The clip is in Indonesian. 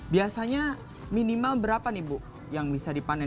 biasanya minimal berapa yang bisa dipanen